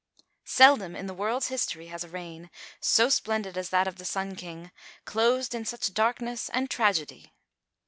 Seldom in the world's history has a reign, so splendid as that of the Sun King, closed in such darkness and tragedy.